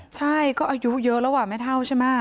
ใช่ก็อายุเยอะแล้วอ่ะแม่เท่าใช่มั้ย